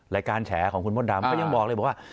แฉของคุณมดดำก็ยังบอกเลยบอกว่า